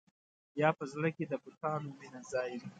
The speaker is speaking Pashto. یا په زړه کې د بتانو مینه ځای وي.